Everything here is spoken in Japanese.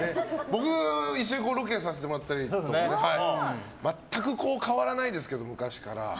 僕、一緒にロケさせてもらったりとかね。全く変わらないですけど昔から。